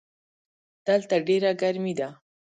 دلته ډېره ګرمي ده.